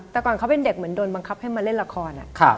แต่ก่อนเขาเป็นเด็กเหมือนโดนบังคับให้มาเล่นละคร